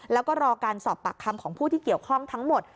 แล้วก็รอการสอบปากคำของผู้ที่เกี่ยวข้องทั้งหมด